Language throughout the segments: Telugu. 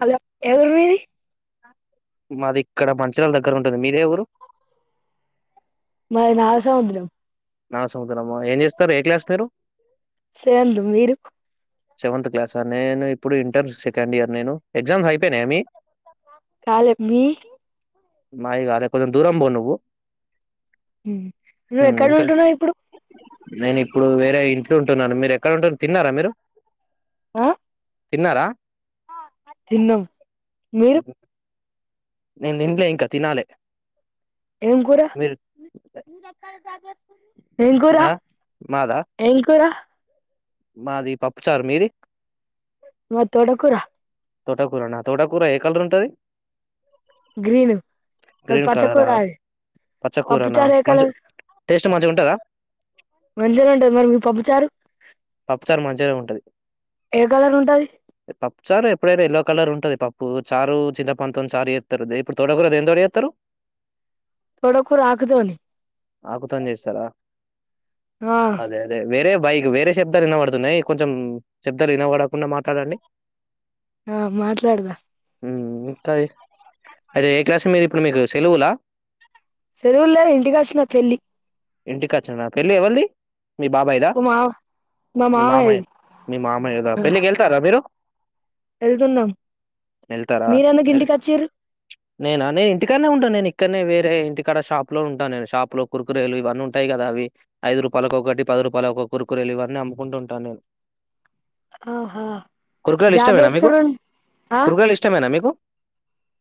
హలో యా ఊరు మిది మాది ఇక్కడ మంచిర్యాల దగ్గర ఉంటది మీది యా ఊరు మాది నాగా సముద్రం నా సముద్రం ఆ ఏం చేస్తారు ఏ క్లాస్ మీరు సెవెంత్ మీరు సెవెంత్ క్లాసా నేను ఇప్పుడు ఇంటర్ సెకండ్ ఇయర్ నేను ఎగ్జామ్స్ అయిపోయినాయ మీ [unintelligible] మీ మాయి కాదు కొంచెం దూరం పో నువ్వు నువ్వు ఉమ్, ఎక్కడ ఇంకా ఉంటున్నావ్ ఇప్పుడు నేను ఇప్పుడు వేరే ఇంట్లో ఉంటున్నాను మీరు ఎక్కడ ఉంటన్నా తిన్నారా మీరు ఆ తిన్నారా తిన్నాం మీరు నేను తీనలే ఇంకా తినాలి ఏ కురా మీరు ఎంకరా ఆ మాదా ఏంకరా మాది పప్పుచారు మీది మాది తోటకూర తోటాకూరనా తోటకూర ఏ కలర్ ఉంటుది గ్రీన్ మరి కలరా పచ్చకురా పచ్చకూరనా మంచి టేస్ట్ మంచిగా ఉంటందా మంచినె ఉంటది మరి మీ పప్పుుచారు పప్పు చార్ మంచిగా ఉంటది కలర్ ఉంటది పప్పు చార్ ఎప్పుడైనా ఎయల్లో కలర్ ఉంటంది ఉంటది పప్పు చారు చిన్న పంతతో చారు చేేస్తారు ఇప్పుడు తోడకూరదు ఏ తో చేేస్తారు తోటకూర ఆకుతోని ఆకుతోని జేస్తారా? ఆ అదే అదే వేరే బైక్ వేరే శబ్దాలు వినబడుతున్నాయి కొంచెం శబ్దాలు వినబడకుండా మాట్లాడండి ఆ మాట్లాడదా ఇంకాది అదతే ఏ క్లాస్ మీరు ఇప్పుడు మీకు సెలవులా సెలవులు లే ఇంటికి వచ్చిన పెళ్లి ఇంటికి వచ్చా నాకు వెళ్ళి ఎవల్ది మీ బాబాయదా మా మామ మా మీ మామయ్య మామయ్యది మీ మామయ్య కదా పెళ్ళికి వెళ్తారా మీరు వెళ్తుందాం ఎళ్తారా? మీరందు అదే. ఇంటికి వచ్చీరు నేనా నే ఇంటికనే ఉంటాను నేను ఇక్కడనే వేరే ఇంటికాడ షాప్ లో ఉంటాను నేను షా లో కుకురేలు ఇవన్న ఉంటాయి కదా అవి ఐదు రూపాయల ఒకటి పది రూపాయల ఒక కురుకురలు ఇవన్నీ అముకుంటుంటాను నేను ఆహా కురకు్రాయలు జాబ్ ఇష్టమేనా మీకు చేస్తుర్రు ఆ కుర్కురెలు ఇష్టమేనా మీకు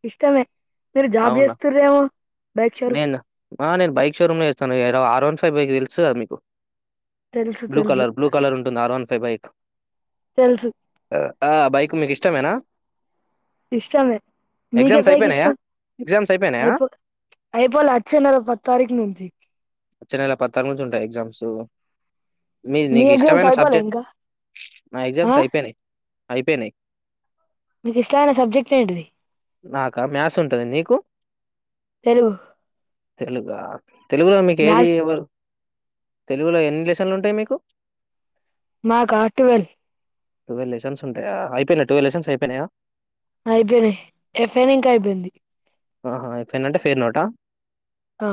ఇష్టమే మీరు జాబ్ అవునా? చేస్తుారేమో బైక్ షోరూం నేను నేను బైక్ షోరూమ్ లో చేస్తాను ఆర్ వన్ ఫైవ్ బైకి తెలుసు కా మీకు తెలుసు బ్లూ తెలుసు కలర్ బ్లూ కలర్ ఉంటుంది ఆర్వాన్ ఫైబైక్ తెలుసు ఆ బైక్ మీకు ఇష్టమేనా ఇష్టమే మీకు ఏ ఎగ్జామ్స్ బైక్ అయిపోయినాయా? ఇష్టం ఎగ్జామ్స్ అయిపోయినాయా? అయిపో అయిపోలే అచ్చెనెల పది తారీకు నుంచి వచ్చే నెల పది నుంచి ఉంటాయి ఎగ్జామ్స్ మీ నీకు ఎగ్జామ్స్ ఇష్టమైన అయిపోలే సబ్జెక్ట్ ఇంకా నా ఆ ఎగ్జామ్స్ అయిపేయినాయి అయిపేయిన మీకు ఇష్టమైన సబ్జెక్ట్ ఏంటిది నాకా మ్యాథ్స్ ఉంటది నీకు తెలుగు తెలుగా తెలుగులో మీకు ఏది మ్యాథ్స్ ఎవరు తెలుగులో ఎన్ని లెసన్లుంటాయి మీకు మాకా టువేల్ టువేల్ లెసన్స్ ఉంటాయా అయిపేయినాయా టువేల్ అయిపేయినాయా అయిపేయినాయి ఎఫ్ఐన్ ఇంకా అయిపేయింది అహా అయిపోయింది అంటే ఫేర్ నోటా ఆ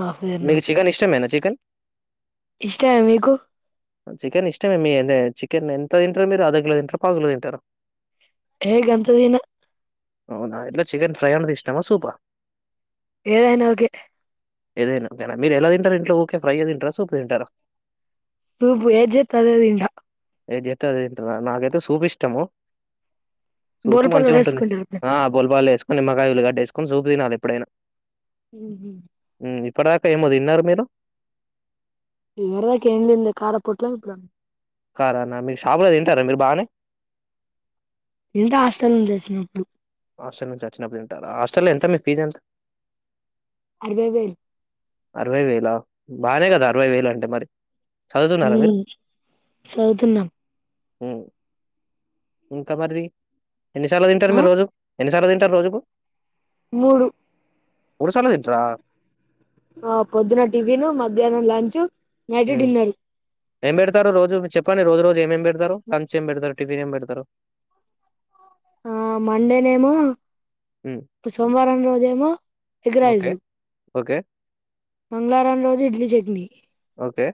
మీకు చికెన్ ఇష్టమేనా చికెన్ ఇష్టామే మీకు చికెన్ ఇష్టమే మీ చికెన్ ఎంత తింటారు మీరు అద కిలో తింటారు పావు కిలో తింటారు హే గంత తిన అవునా ఇట్లా చికెన్ ఫ్రై అండుతే ఇష్టమా సూప ఏదైనా ఓకే ఏదైనా ఓకేనా మీరు ఎలా తింటారా ఇంట్లో ఓకే ఫ్రై తింటారా సూప్ తింటారా సూపు ఏది చేస్తే అదే తింటా ఏది ఎతే అదె తింటారా నాకైతే సూపు ఇష్టము సూపు బోల్ పట్ల మంచిగా ఉంటుంది వేసుకుంటారు ఆ బోల్ పాలాలు వేసుకొని నిమ్మకాయ ఉల్లి గడ్డ వేసుకొని సూపు తినాలి ఎప్పుడైనా హు. మ్మ్ ఇప్పడిదాకా ఏమో తిన్నారు మీరు యివర్ దాకా ఏం తినలే కార పోట్లా ఇప్పిన కారాన్న మీరు షాపులో తింటారా మీరు బానే వెళ్తా హాస్టల్ నుంచి వచ్చినప్పుడు హాస్టల్ నుంచి వచ్చినప్పుడు తింటారా హాస్టల్లో ఎంత మీ ఫీజ్ ఎంత అరవై వేలు అరవై వేలా బానే గదా అరవై వేలు అంటే మరి చదువుతున్నారా మీరు ఉమ్ చదువుతున్నాం ఇంకా మరి ఎన్నిసార్లు తింటారు ఆ మీరు రోజు ఎన్నిసార్లు తింటారు రోజుకు మూడు మూడుసార్లు తింటారా ఆ పొద్దున టిఫిన్ మధ్యాహ్నం లంచ్ నైట్ ఉమ్ డిన్నర్ ఏం పెడతారు రోజు చెప్పండి రోజు రోజు ఏమి ఏమి పెడతారు లంచ్ ఏం పెడతారు టిఫిన్ ఏం పెడతారు ఆ మండేనేమో హ్మ్. సోమవారం రోజేమో ఎగ్ ఓకే. Rice okay. మంగళారం రోజు ఇడ్లీ చట్నీ ఓకే.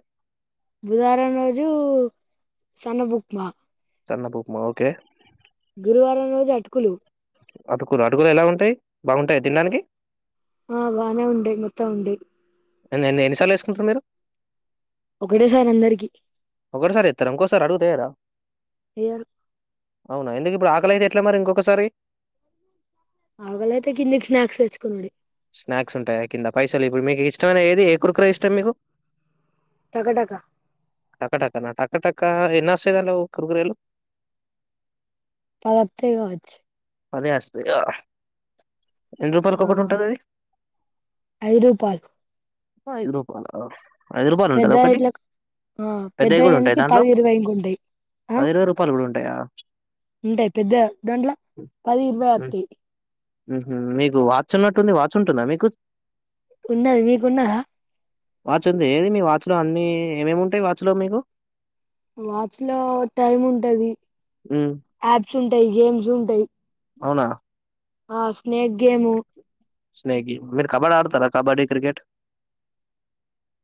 బుధవారం రోజు సన్నపు ఉప్మా సన్నపు ఉప్మా ఓకే గురువారం రోజు అటుకులు అటుకులు అటుకులు ఎలా ఉంటాయి బాగుంటాయ తినడానికి ఆ బానే ఉంటాయి మెత్తగా ఉంటాయి ఎన్ ఎన్నిసార్లు వేసుకుంటారు మీరు ఒకటేసారి అందరికి ఒకటిసారి ఏతర ఇంకోసారి అడుగుతేయారా ఏయరు అవునా ఎందుకు ఇప్పుడు ఆకలితే ఎట్లే మరి ఇంకొకసారి అక్కలి అయితే కిందకీ స్నాక్స్ తెచ్చుకునుడే స్నాక్స్ ఉంటాయా కింద పైసలు ఇప్పుడు మీకు ఇష్టమైన ఏది ఏ కురుకు్ర ఇష్టం మీకు టకా టకా టక టక్కనా టక టక్క ఎన్నస్తుదలో కుర్కురెలు పదివతై కావచ్చు పదే వస్తాయా ఎన్ని రూపాయలక ఆ ఒకటి ఉంటుంది అది ఐదు రూపాయలు ఐదు రూపాయల ఐదు రూపాయలు ఉంటద పెద్ద ఒకటి ఇట్ల ఆ పెద్దవి కూడా ఉంటాయి పెద్దయానికి దాంట్లో పది ఇరవై ఇంకుంటాయి ఆ పది ఇరవై రూపాయలు కూడా ఉంటాయా ఉంటాయి పెద్ద దాంట్లో పది ఇరవై వతాయి ఉహ్మ్ మీకు వాచ్ ఉన్నట్టుంది వాచ్ ఉంటుందా మీకు ఉనది మీకు ఉన్నదా వాచ్ ఉంది ఏది మీ వాచ్లో అన్ని ఏమేమి ఉంటాయి వాచ్లో మీకు వాచ్ లో టైమ్ ఉంటది హ్మ్. యాప్స్ ఉంటాయి గేమ్స్ ఉంటాయి అవునా ఆ స్నేక్ గేము స్నేక్ గేమ్ మీరు కబడ్డీ ఆడతారా కబడ్డీ క్రికెట్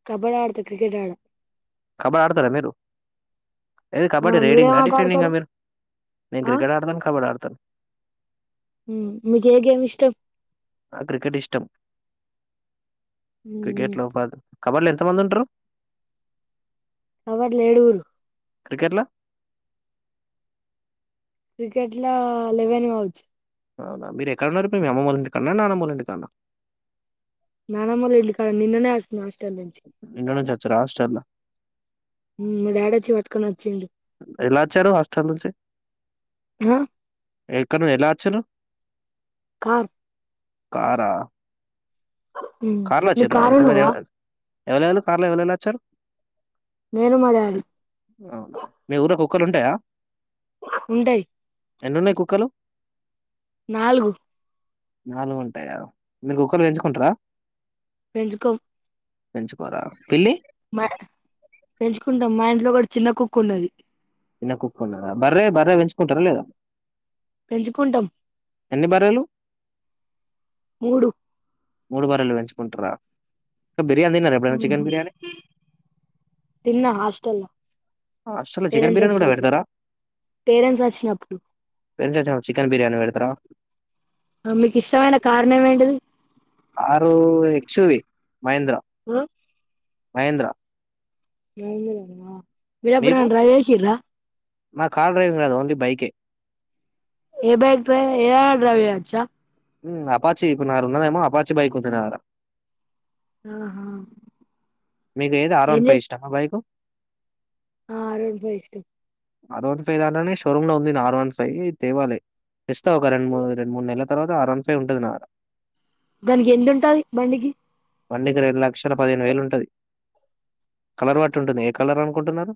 కబడ్డీ ఆడత క్రికెట్ ఆడ కబడ్డీ ఆడతార మీరు ఏది ఆ కబడ్డీ మీరేం రేడింగ్ ఆట డెఫినింగా ఆడతారు మీరు నేను ఆ క్రికెట్ ఆడతా కబడ్డీ ఆడతా మీకే గేమ్ ఇష్టం నాకు క్రికెట్ ఇష్టం క్రికెట్ లో కబర్ ఎంత ఎంతమంది ఉంటారు అవర్ లేడుూలు క్రికెట్లా క్రికెట్ ల లెవెన్ గావుచ్చు అవునా మీరు ఎక్కడ ఉన్నారు మీ అమ్మ వాళ్లు ఇంటి కన్నా నానమ్మలు ఇంటి కన్నా నాన్నమ్మ వాళ్ళ ఇంటికాడ నిన్ననే వచ్చినా హాస్టల్ ఇంట్లో నుంచి వచ్చారా హాస్టల్‌లా? డాడా చి పట్టుకొని వచ్చింది ఎలా వచ్చారు హస్టల్ నుంచి ఆ ఏ కను ఎలా వచ్చిర్రు కర్ కారా కార్ లో మీకు వచ్చిర్రా కారు ఉన్నదా ఎవరనా కార్లో ఎవరైనా వచ్చారు నేను మా డాడీ వు మ ఊర కుక్కలు ఉంటాయా ఉంటై ఎన్నన్నాయి కుక్కలు నాలుగు నాలుగు ఉంటాయా మీరు కుక్కను పెంచుకుంటారా పెంచుకో పెంచుకోరా పిల్లి మా పెంచుకుంటాం మా ఇంట్లో కూడా చిన్న కుక్ ఉన్నది చిన్న కుక్కున్నారా బర్రే బర్ర పెంచుకుంటారా లేదా పెెంచికూండం ఎన్ని బర్రెలు మూడు మూడు బర్రెలు పెంచుకుంటార బిర్యానీ ఎప్పుడన్న చికెన్ బిర్యానీ తిన్నా హాస్టల్లో హాస్టల్లో చికెన్ పేరెంట్స్ బిర్యానీ కూడా వచ్చినప్పుడు పెడతారా పేరెంట్స్ వచ్చినప్పుడు పె చికన్ బియాణి పెడుతురా మీకి ఇష్టమైన కార్ నేమ్ ఏంటిది car X U V Mahindra ఆ మహేంద్ర మీరు ఎప్పుడైనా డ్రైవ్ చేసిర్రా నా కార్ డ్రైవింగ్ రాదు ఓన్లీ బైకే ఏ బైక్ డ్రైవ్ ఏదైనా డ్రైవ్ చేయొచ్చా అపాచి ఇప్పు నా ఉన్నదమ అప్పాచి బైక్ ఉండే నా దగ్గర ఆహా మీది ఏది ఆర్ ఏం వన్ ఫైవ్ చేస్ ఇష్టమా బైకు ఆ ఆర్ వన్ ఫైవ్ ఇష్టం ఆర్ వన్ ఫైవ్ దాదనే షోరూమ్ లో ఉంది ఆర్ వన్ ఫైవ్ తేవాలి తెస్తా ఒక రెండు మూ రెండు మూడు నెలల తర్వాత అర్ వన్ ఫైవ్ ఉంటది నా దగ్గర దానికి ఎందు ఉంటది బండికి బండికి రెండులక్షల పదిహేను వేలు ఉంటుది కలర్ పట్టి ఉంటుంది ఏ కలర్ అనుకుంటున్నారు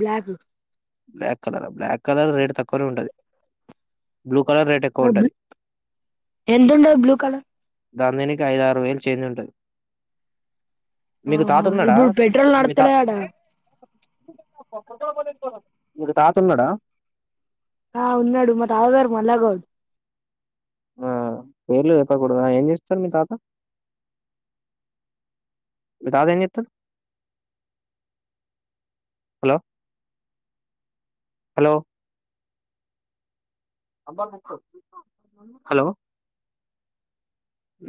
black black colour black colour red తక్కువనే ఉండది బ్లూ కలర్ రేట్ ఎక్కువ బ్ ఉంటది. ఎంతుంటది బ్లూ కలర్ దాని దీనికి అయిదారు వేలు చేంజ్ ఉంటది మీకు ఆహా తాతున్నాడా ఇప్పుడు పెట్రోల్ మీ తా నడతలేదట మీకు తాతున్నడా ఆ ఉన్నాడు తాత పేరు మల్ల గౌడ్ ఆ పేర్లు చెప్పకూడదు ఏం చేస్తారు మీ తాత మీ తాత ఏం చేస్తారు హలో హలో హలో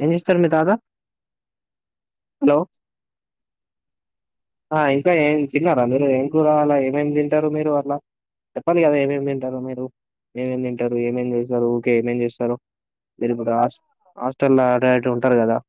ఏం చేస్తారు మీ తాత హలో ఆ ఇంకా ఏం తిన్నారా మీరు ఏం కుర రావాలా ఏమేమి తింటారు మీరు అట్లా చెప్పాలి కదా ఏమేమి తింటారు మీరు ఏమేమి తింటారు ఏమేం చేస్తారు ఓకే ఏమేం చేస్తారు మీరు హాస్టల్ అటు ఉంటారు కదా